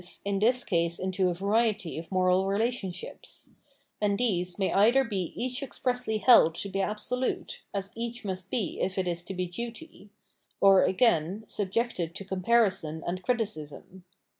in this case into a variety of moral relationships ; and these may either be each expressly held to be absolute (as each must be if it is to be duty) or, again, subjected to comparison and criticism.